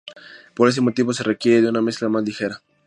Por ese motivo se requiere de una mezcla más ligera.